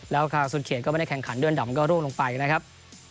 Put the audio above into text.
แล้วทางสุดเขตก็ไม่ได้แข่งขันเดือนดำก็ร่วงลงไปนะครับ